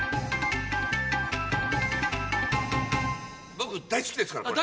僕大好きですからこれ。